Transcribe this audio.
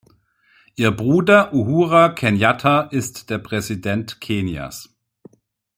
Ihr Bruder Uhuru Kenyatta ist der Präsident Kenias.